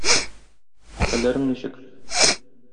Хәлләрең ничек?